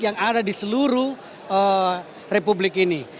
yang ada di seluruh republik ini